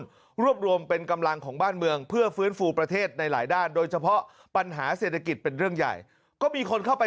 รวบรวมเป็นกำลังของบ้านเมืองเพื่อฟื้นฟูประเทศในหลายด้านโดยเฉพาะปัญหาเศรษฐกิจเป็นเรื่องใหญ่ก็มีคนเข้าไป